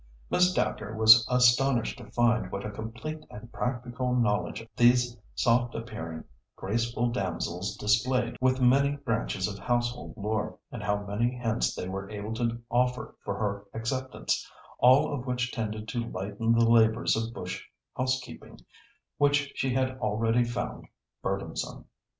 Miss Dacre was astonished to find what a complete and practical knowledge these soft appearing, graceful damsels displayed with many branches of household lore, and how many hints they were able to offer for her acceptance, all of which tended to lighten the labours of bush housekeeping, which she had already found burdensome.